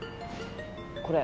これ